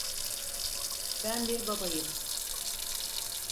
Ben bir babayım.